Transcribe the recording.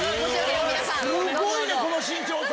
すごいねこの身長差。